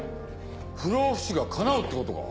不老不死が叶うってことか？